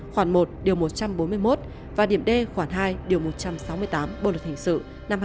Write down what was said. khoảng một điều một trăm bốn mươi một và điểm d khoản hai điều một trăm sáu mươi tám bộ luật hình sự năm hai nghìn một mươi năm